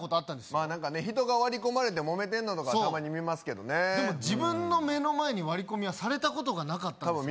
まあ何かね人が割り込まれてモメてんのとかたまに見ますけどでも自分の目の前に割り込みはされたことがなかったんですよね